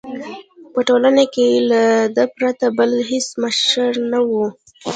په ټولنه کې له ده پرته بل هېڅ مشر نه وو.